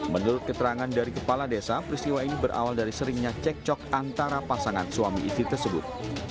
menurut keterangan dari kepala desa peristiwa ini berawal dari seringnya cek cok antara pasangan suami istri tersebut